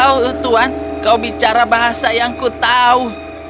oh tuhan kau bicara bahasa yang ku tahu